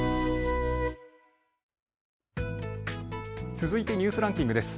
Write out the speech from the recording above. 続いてニュースランキングです。